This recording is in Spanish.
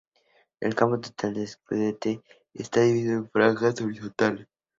El campo total del escudete está dividido entre franjas horizontales.